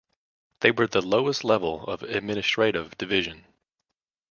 They were the lowest level of administrative division.